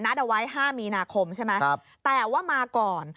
เอาไว้๕มีนาคมใช่ไหมแต่ว่ามาก่อน